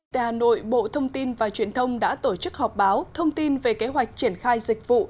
đà nội bộ thông tin và truyền thông đã tổ chức họp báo thông tin về kế hoạch triển khai dịch vụ